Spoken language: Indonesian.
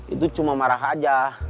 itu cuma marah aja